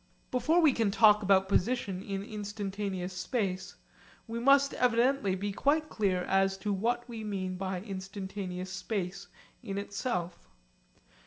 Before we can talk about position in instantaneous space, we must evidently be quite clear as to what we mean by instantaneous space in itself.